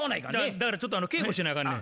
だからちょっと稽古しなあかんねん。